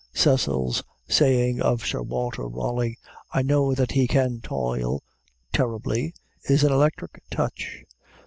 Cecil's saying of Sir Walter Raleigh, "I know that he can toil terribly," is an electric touch.